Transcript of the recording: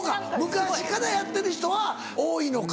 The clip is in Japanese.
昔からやってる人は多いのか。